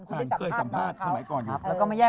เคยสัมภาษณ์เครื่องไหวก่อนอยู่